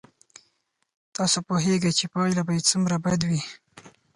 تاسو پوهېږئ چې پایله به یې څومره بد وي.